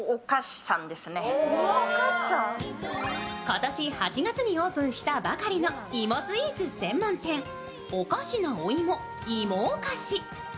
今年８月にオープンしたばかりの芋スイーツ専門店、をかしなお芋芋をかし。